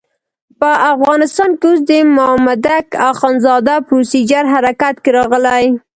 په افغانستان کې اوس د مامدک اخندزاده پروسیجر حرکت کې راغلی.